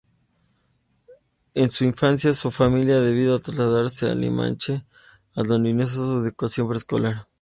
En su infancia, su familia debió trasladarse a Limache, donde inició su educación escolar.